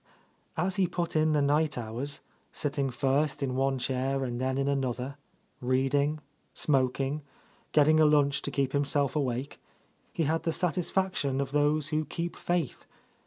As he put in the night hours, sitting first in one chair and then in another, reading, smoking, getting a lunch to keep himself awake, he had the satisfaction of those who keep faith.